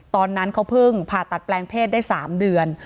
ตอนนั้นเขาเพิ่งผ่าตัดแปลงเพศได้๓เดือน